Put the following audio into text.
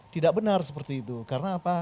tidak benar seperti itu karena apa